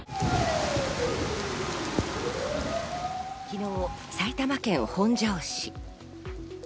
昨日、埼玉県本庄市。